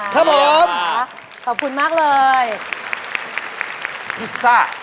ครับผมขอบคุณมากเลยอิซซ่า